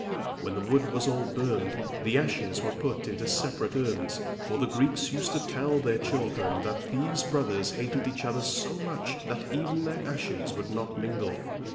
When the wood was all burned, the ashes were put into separate urns, for the Greeks used to tell their children that these brothers hated each other so much that even their ashes would not mingle.